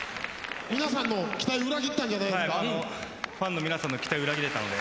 皆さんの期待裏切ったんじゃないですか？